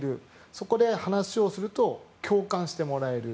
そこで話をすると共感してもらえる。